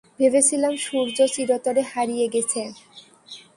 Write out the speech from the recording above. ভেবেছিলাম সূর্য চিরতরে হারিয়ে গেছে।